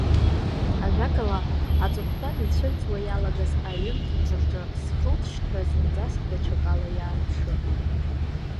Ажәакала, аҵыхәтәан ицәырҵуа иалагаз аҩымҭақәа рҿы схылҵшьҭра зынӡаск даҽакала иаарԥшын.